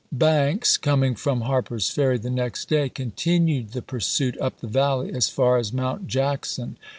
Banks, coming from Harper's Ferry the next day, continued the pursuit up the Valley as far as Mount Jackson.